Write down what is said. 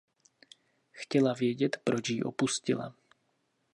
Chtěla vědět proč jí opustila.